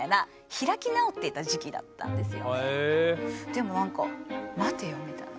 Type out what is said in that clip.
でもなんか待てよ？みたいな。